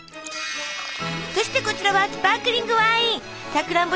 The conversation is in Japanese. そしてこちらはスパークリングワイン！